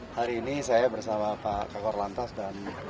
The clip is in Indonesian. hari ini saya bersama pak kakor lantas dan